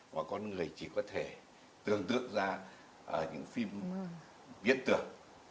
mà con người chỉ có thể tưởng tượng ra những phim biến tượng